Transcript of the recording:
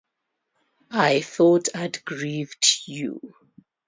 I thought I'd grieved you.